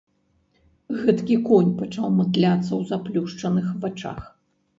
Гэткі конь пачаў матляцца ў заплюшчаных вачах.